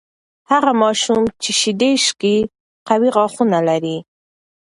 هغه ماشومان چې شیدې څښي، قوي غاښونه لري.